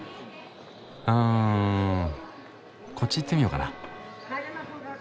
うんこっち行ってみようかな。